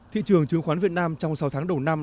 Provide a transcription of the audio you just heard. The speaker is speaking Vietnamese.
thị trường chứng khoán việt nam trong sáu tháng đầu năm